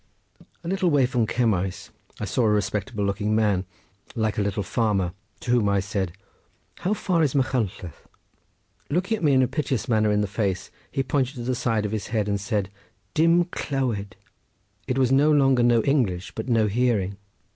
A Little way from Cemmaes I saw a respectable looking old man, like a little farmer, to whom I said: "How far to Machynlleth?" Looking at me in a piteous manner in the face, he pointed to the side of his head and said: "Dim clywed." It was no longer no English, but no hearing.